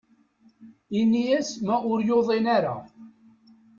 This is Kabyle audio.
Ini-as ma ur yuḍin ara.